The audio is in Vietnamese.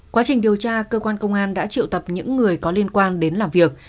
quá trình điều tra cơ quan công an đã triệu tập những người có liên quan đến làm việc